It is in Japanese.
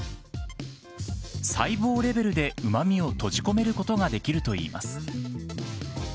細胞レベルでうまみを閉じ込めることができるといいます。